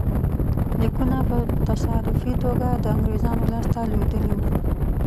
لیکونه په تصادفي توګه د انګرېزانو لاسته لوېدلي وو.